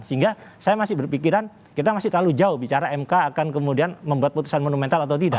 sehingga saya masih berpikiran kita masih terlalu jauh bicara mk akan kemudian membuat putusan monumental atau tidak